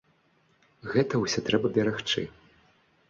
Гэта ўсё трэба берагчы!